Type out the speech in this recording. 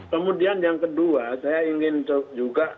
kemudian yang kedua saya ingin juga